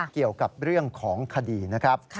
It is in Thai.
เกี่ยวกับเรื่องของคดีนะครับ